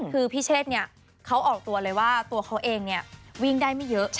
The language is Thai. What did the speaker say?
คือพี่เชษเขาออกตัวเลยว่าตัวเขาเองวิ่งได้ไม่เยอะ